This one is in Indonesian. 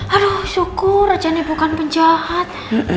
aduh syukur raja ini bukan penjahat